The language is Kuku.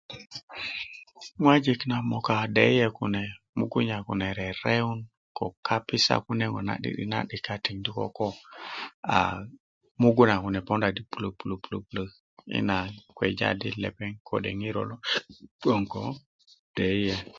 ŋojik na moka deyiye kune mugunya kune rerewun ko kapisa na kune na 'di'dik ko a mugunya kune ponda di pulöt pulöti yi na kpeja di lepeŋ kode ŋiro lo bgoŋ ko deyiye